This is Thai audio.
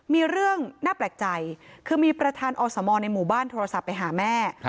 มีเรื่องน่าแปลกใจคือมีประธานอสมในหมู่บ้านโทรศัพท์ไปหาแม่